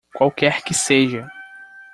Qualquer que seja.